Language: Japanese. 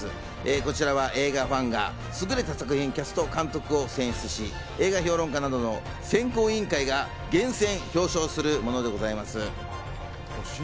こちらは映画ファンがすぐれた作品、キャスト、監督を選出し、映画評論家などの選考委員会が厳選・表彰するものでございます。